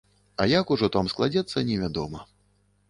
А як ужо там складзецца, невядома.